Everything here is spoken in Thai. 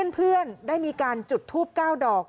เพื่อนได้มีการจุดทูป๙ดอก